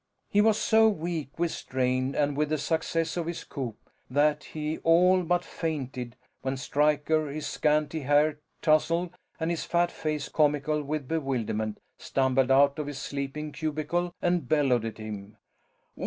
He was so weak with strain and with the success of his coup that he all but fainted when Stryker, his scanty hair tousled and his fat face comical with bewilderment, stumbled out of his sleeping cubicle and bellowed at him.